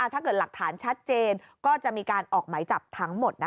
ถ้าเกิดหลักฐานชัดเจนก็จะมีการออกหมายจับทั้งหมด